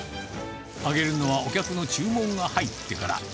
揚げるのはお客の注文が入ってから。